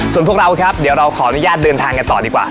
ส่วนพวกเราครับเดี๋ยวเราขออนุญาตเดินทางกันต่อดีกว่า